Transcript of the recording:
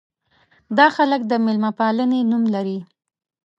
دا خلک د مېلمه پالنې نوم لري.